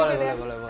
boleh boleh boleh